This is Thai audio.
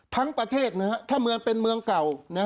ทั้งประเทศนะฮะถ้าเมืองเป็นเมืองเก่า